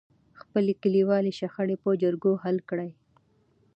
خپلې کليوالې شخړې په جرګو حل کړئ.